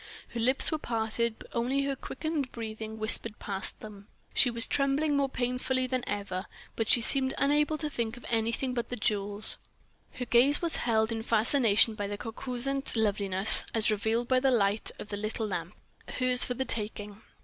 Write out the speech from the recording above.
Her lips were parted, but only her quickened breathing whispered past them. She was trembling more painfully than ever. But she seemed unable to think of anything but the jewels, her gaze was held in fascination by their coruscant loveliness as revealed by the light of the little lamp. Hers for the taking!